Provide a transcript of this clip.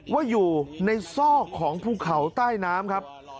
ว่าอยู่ในซอกของภูเขาใต้น้ำครับ